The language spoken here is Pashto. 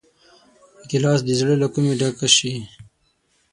ګیلاس د زړه له کومي ډک شي.